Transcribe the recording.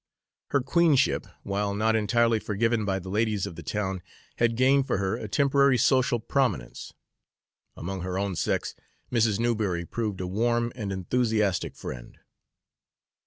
Her queenship, while not entirely forgiven by the ladies of the town, had gained for her a temporary social prominence. Among her own sex, Mrs. Newberry proved a warm and enthusiastic friend.